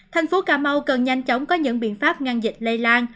thành phố cà mau cần nhanh chóng có những biện pháp ngăn dịch lây lan